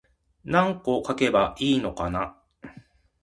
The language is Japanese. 何個書けばいいのか